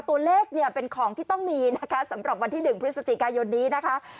ตัวเลขเนี่ยเป็นของที่ต้องมีนะคะสำหรับวันที่๑พฤศจิกายนนี้นะคะ